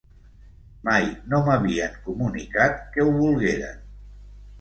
Mai no m'havien comunicat que ho volgueren.